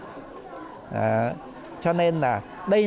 đó cho nên là đây này